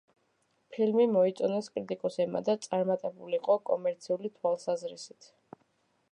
ფილმი მოიწონეს კრიტიკოსებმა და წარმატებული იყო კომერციული თვალსაზრისით.